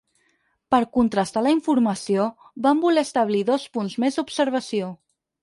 Per contrastar la informació, van voler establir dos punts més d'observació.